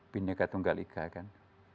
pinjaka tunggal ika kan